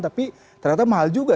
tapi ternyata mahal juga